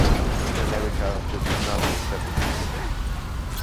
In America this is not the accepted usage.